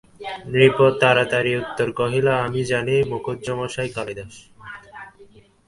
নৃপ তাড়াতাড়ি উত্তর করিল, আমি জানি মুখুজ্যেমশায়, কালিদাস।